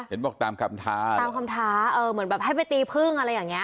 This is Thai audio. เห็นบอกตามคำท้าตามคำท้าเออเหมือนแบบให้ไปตีพึ่งอะไรอย่างเงี้